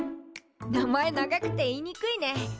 名前長くて言いにくいね。